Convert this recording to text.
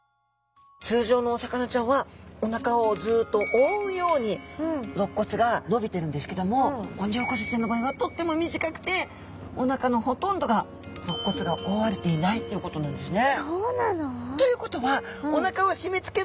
通常のお魚ちゃんはお腹をずっと覆うように肋骨が伸びてるんですけどもオニオコゼちゃんの場合はとっても短くてお腹のほとんどが肋骨が覆われていないっていうことなんですね。